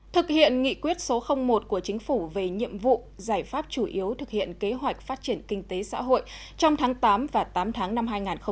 thực hiện nghị quyết số một của chính phủ về nhiệm vụ giải pháp chủ yếu thực hiện kế hoạch phát triển kinh tế xã hội trong tháng tám và tám tháng năm hai nghìn hai mươi